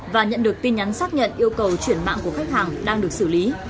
và nhận được tin nhắn xác nhận yêu cầu chuyển mạng của khách hàng đang được xử lý